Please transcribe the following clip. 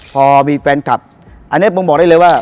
พอมีแฟนคลับอันนี้ผมบอกได้เลยว่า